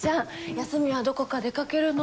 休みはどこか出かけるの？